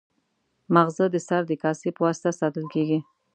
ماغزه د سر د کاسې په واسطه ساتل کېږي.